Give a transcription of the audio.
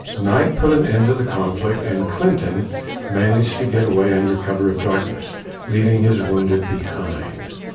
Night put an end to the conflict, and Clinton managed to get away under cover of the darkness, leaving his wounded behind.